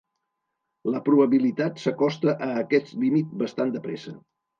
La probabilitat s'acosta a aquest límit bastant de pressa.